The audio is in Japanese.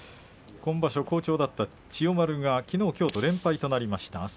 今場所好調だった千代丸がきのうきょうと連敗となりました。